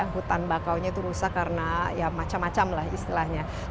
hutan bakaunya itu rusak karena macam macam istilahnya